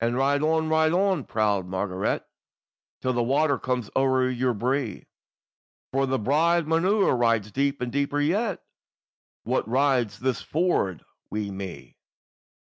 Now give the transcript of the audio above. "And ride on, ride on, proud Margaret! Till the water comes o'er your bree, For the bride maun ride deep, and deeper yet, Wha rides this ford wi' me.